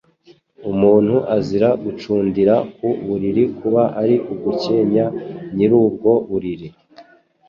Umuntu azira gucundira ku buriri, kuba ari ugukenya nyir’ubwo buriri